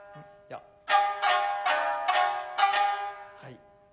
はい。